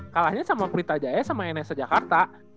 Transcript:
kalahnya sama pritajaya sama nsr jakarta